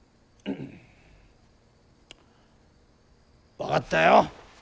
分かったよ。